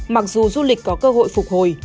mặc dù du lịch có cơ hội phục hồi